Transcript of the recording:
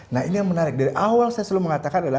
nah ini yang menarik dari awal saya selalu mengatakan adalah